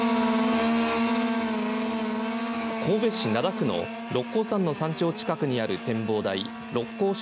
神戸市灘区の六甲山の山頂近くにある展望台六甲